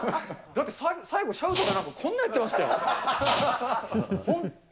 だって最後、シャウトかなんか、こんなんやってましたよ。